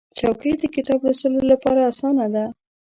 چوکۍ د کتاب لوستلو لپاره اسانه ده.